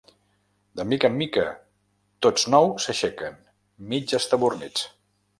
De mica en mica, tots nou s'aixequen, mig estabornits.